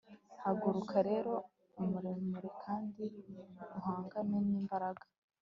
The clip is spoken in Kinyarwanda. haguruka rero muremure kandi uhangane nimbaraga